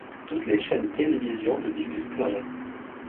Toutes les chaînes de télévision ne diffusent plus rien.